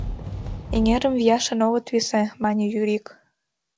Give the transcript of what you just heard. — Эҥерым вияшын огыт висе, — мане Юрик.